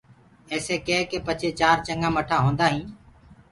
ايسي ڪي ڪي پچهي چآر چنگآ ٻٽآ هوندآ هينٚ